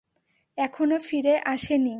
এখনও ফিরে আসেনি।